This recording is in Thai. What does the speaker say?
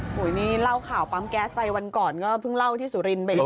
โอ้โหนี่เล่าข่าวปั๊มแก๊สไปวันก่อนก็เพิ่งเล่าที่สุรินทร์ไปอีก